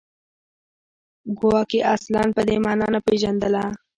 ګواکې اصلاً په دې معنا نه پېژندله